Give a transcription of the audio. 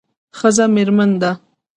ښځه میرمن ده